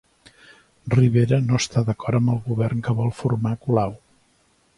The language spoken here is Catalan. Rivera no està d'acord amb el govern que vol formar Colau